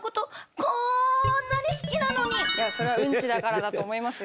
いやそれはウンチだからだと思いますよ。